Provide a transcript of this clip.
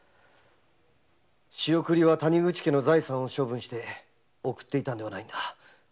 仕送りは谷口家の財産を処分して送っていたのではないんだ。